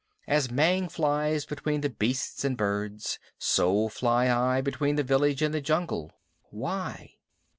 As Mang flies between the beasts and birds, so fly I between the village and the jungle. Why?